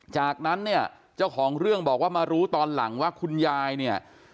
จากนั้นเนี่ยเจ้าของเรื่องบอกว่ามารู้ตอนหลังว่าคุณยายเนี่ย